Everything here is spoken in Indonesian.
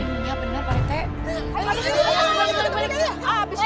iya benar pak rite